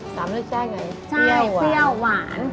สามรสชาติไงใช่เปรี้ยวหวาน